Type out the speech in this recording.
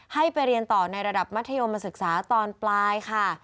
ให้ไปเรียนต่อในระดับมัธยมศึกษาตอนปลายค่ะ